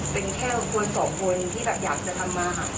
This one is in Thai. เป็นแค่คนสองคนที่อยากจะทำมาหากินอะไรอย่างนี้ค่ะ